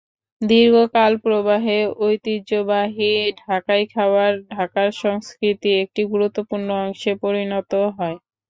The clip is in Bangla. দীর্ঘ কালপ্রবাহে ঐতিহ্যবাহী ঢাকাই খাবার ঢাকার সংস্কৃতির একটি গুরুত্বপূর্ণ অংশে পরিণত হয়।